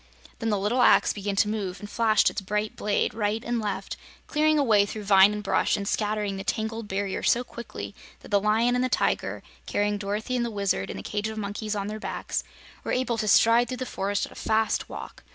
Then the little axe began to move and flashed its bright blade right and left, clearing a way through vine and brush and scattering the tangled barrier so quickly that the Lion and the Tiger, carrying Dorothy and the Wizard and the cage of monkeys on their backs, were able to stride through the forest at a fast walk.